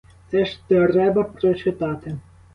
Це ж треба прочитати.